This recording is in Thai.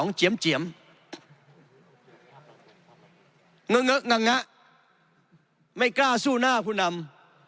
เงอะเงอะเงะเงะไม่กล้าสู้หน้าผู้นำ